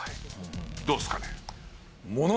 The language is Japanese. どうですかね？